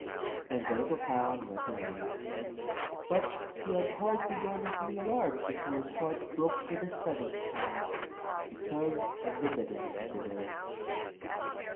And the little clown went away; but he had hardly gone a few yards before his heart broke for the seventh time because of the bitterness of the world.